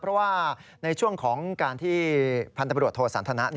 เพราะว่าในช่วงของการที่พันธบรวจโทสันทนะ